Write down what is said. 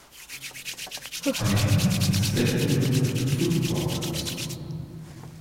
A man is taking a look at the food products.